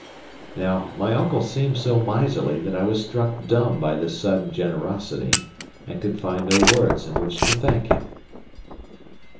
Now, my uncle seemed so miserly that I was struck dumb by this sudden generosity, and could find no words in which to thank him.